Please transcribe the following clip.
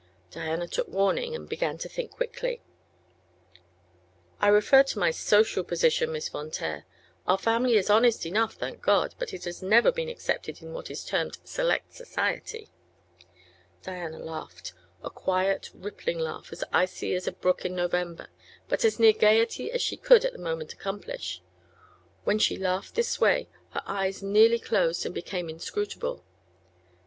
Diana took warning and began to think quickly. "I referred to my social position, Miss Von Taer. Our family is honest enough, thank God; but it has never been accepted in what is termed select society." Diana laughed; a quiet, rippling laugh as icy as a brook in November, but as near gaiety as she could at the moment accomplish. When she laughed this way her eyes nearly closed and became inscrutable.